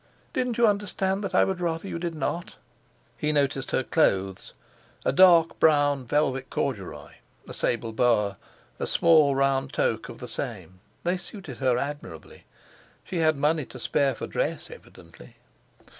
Didn't you understand that I would rather you did not?" He noticed her clothes—a dark brown velvet corduroy, a sable boa, a small round toque of the same. They suited her admirably. She had money to spare for dress, evidently!